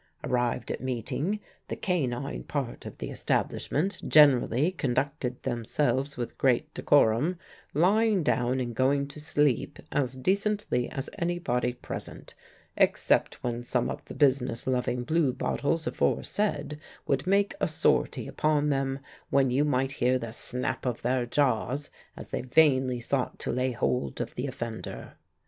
Arrived at meeting, the canine part of the establishment generally conducted themselves with great decorum, lying down and going to sleep as decently as any body present, except when some of the business loving bluebottles aforesaid would make a sortie upon them, when you might hear the snap of their jaws as they vainly sought to lay hold of the offender.